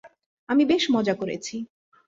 আমি বেশ মজা করছি!